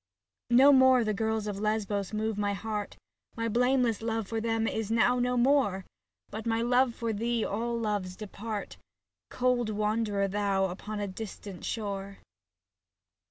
No more the girls of Lesbos move my heart, My blameless love for them is now no more. Before my love for thee all loves depart. Cold wanderer thou upon a distant shore.